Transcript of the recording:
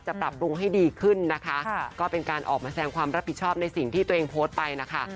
ปรับปรุงให้ดีขึ้นนะคะก็เป็นการออกมาแสงความรับผิดชอบในสิ่งที่ตัวเองโพสต์ไปนะคะ